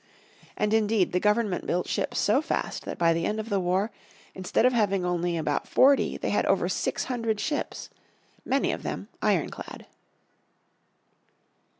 And indeed the Government built ships so fast that by the end of the war, instead of having only about forty they had over six hundred ship, many of them ironclad.